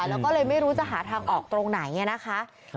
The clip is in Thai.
แล้วก็เลยไม่รู้จะหาทางออกตรงไหนนะคะ